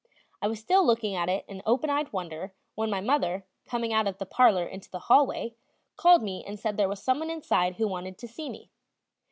I was still looking at it in open eyed wonder when my mother, coming out of the parlor into the hallway, called me and said there was someone inside who wanted to see me.